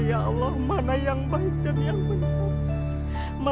ya allah mana yang baik dan yang benar